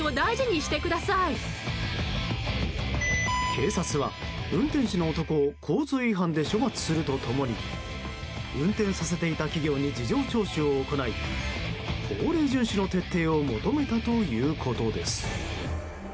警察は、運転手の男を交通違反で処罰すると共に運転させていた企業に事情聴取を行い法令順守の徹底を求めたということです。